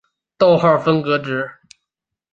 逗号分隔值。